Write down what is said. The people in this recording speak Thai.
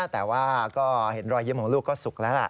แต่ว่าก็เห็นรอยยิ้มของลูกก็สุขแล้วล่ะ